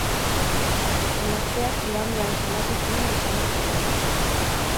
Emazteak igandean salatu zuen desagerpena.